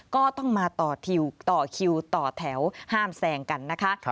ก็ต้องมาต่อคิวต่อแถวห้ามแซงกันนะคะ